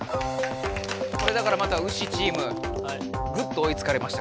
これだからまたウシチームぐっとおいつかれましたからね。